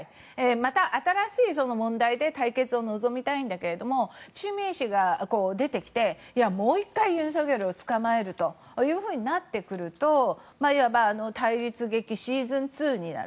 また新しい問題で対決を望みたいんだけれどもチュ・ミエ氏が出てきてもう１回ユン・ソクヨルを使うとなるといわば対立劇シーズン２になる。